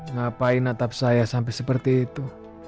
ngapain atap saya sampai seperti itu